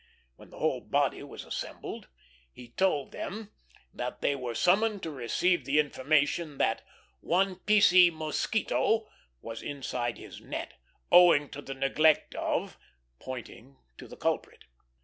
When the whole body was assembled, he told them that they were summoned to receive the information that "one piecee mosquito" was inside his net, owing to the neglect of pointing to the culprit.